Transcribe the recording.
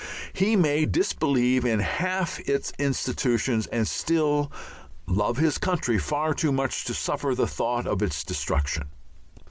he may disbelieve in half its institutions and still love his country far too much to suffer the thought of its destruction.